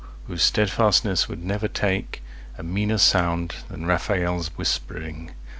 —whose steadfastness would never takeA meaner sound than Raphael's whispering.